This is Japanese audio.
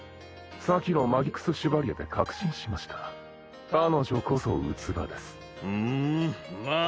先のマギクス・シュバリエで確信しました彼女こそ器ですふんまあ